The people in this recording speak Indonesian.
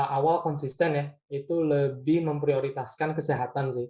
awal konsisten ya itu lebih memprioritaskan kesehatan sih